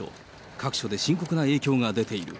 各所で深刻な影響が出ている。